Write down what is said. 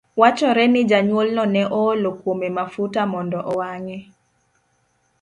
Wachore ni janyuolno ne oolo kuome mafuta mondo owang'e.